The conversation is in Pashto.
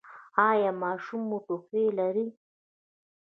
ایا ماشوم مو ټوخی لري؟